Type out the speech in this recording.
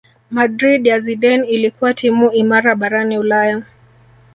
Madrid ya Zidane ilikuwa timu imara barani Ulaya